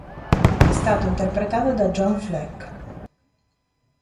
È stato interpretato da John Fleck.